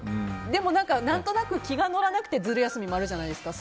でも何となく気が乗らなくてズル休みもあるじゃないですか。